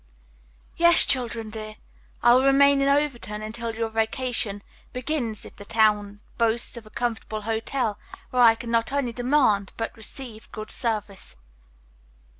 "Yes, children, dear, I will remain in Overton until your vacation begins if the town boasts of a comfortable hotel where I can not only demand, but receive, good service."